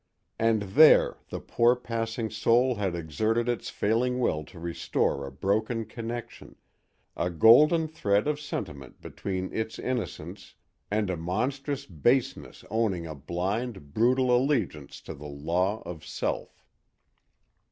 And there the poor passing soul had exerted its failing will to restore a broken connection—a golden thread of sentiment between its innocence and a monstrous baseness owning a blind, brutal allegiance to the Law of Self.